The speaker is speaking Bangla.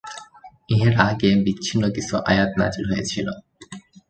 এর আগে মাত্র বিচ্ছিন্ন কিছু আয়াত নাযিল হয়েছিল।